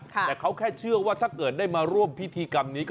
แต่เขาแค่เชื่อว่าถ้าเกิดได้มาร่วมพิธีกรรมนี้